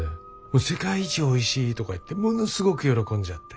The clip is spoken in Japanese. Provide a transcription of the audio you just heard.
「世界一おいしい」とか言ってものすごく喜んじゃって。